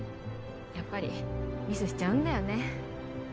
やっぱりミスしちゃうんだよね